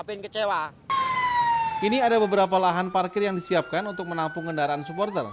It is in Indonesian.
ini ada beberapa lahan parkir yang disiapkan untuk menampung kendaraan supporter